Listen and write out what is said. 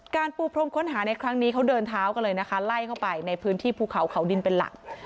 ปูพรมค้นหาในครั้งนี้เขาเดินเท้ากันเลยนะคะไล่เข้าไปในพื้นที่ภูเขาเขาดินเป็นหลัก